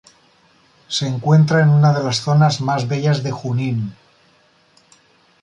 Se encuentra en una de las zonas más bellas de Junín.